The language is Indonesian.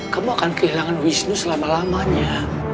kamu akan kehilangan wisnu selama lamanya